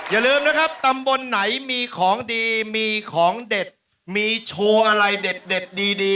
อย่าลืมตำบลไหนมีของดีก็มีอะไรดีก็มีของเด็ด